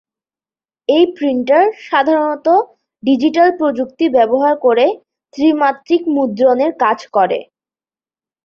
এই প্রিন্টার সাধারণত ডিজিটাল প্রযুক্তি ব্যবহার করে ত্রিমাত্রিক মুদ্রণের কাজ করে।